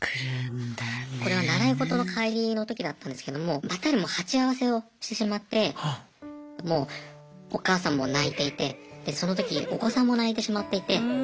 これは習い事の帰りの時だったんですけどもバッタリもう鉢合わせをしてしまってもうお母さんも泣いていてでその時お子さんも泣いてしまっていて。